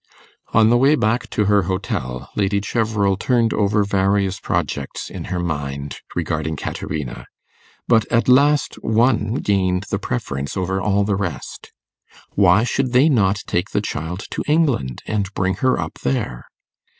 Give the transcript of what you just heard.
On the way back to her hotel, Lady Cheverel turned over various projects in her mind regarding Caterina, but at last one gained the preference over all the rest. Why should they not take the child to England, and bring her up there?